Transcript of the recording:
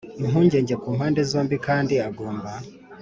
Impungenge ku mpande zombi kandi agomba